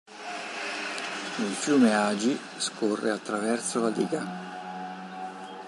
Il fiume Agi scorre attraverso la diga.